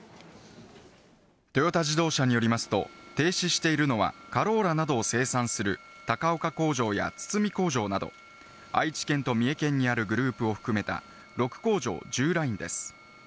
トヨタ自動車によりますと、停止しているのは、カローラなどを生産する高岡工場やつつみ工場など、愛知県と三重県にあるグループを含めた、６工場１０ラインです。